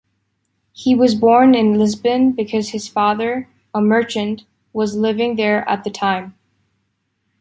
He was born in Lisbon because his father, a merchant, was living there at the time.